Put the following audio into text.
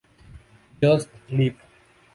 Just., lib.